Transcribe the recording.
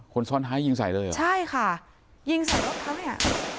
คนซ้อนท้ายยิงใส่เลยเหรอใช่ค่ะยิงใส่รถเขาเนี่ย